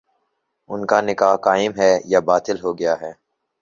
ان کا نکاح قائم ہے یا باطل ہو گیا ہے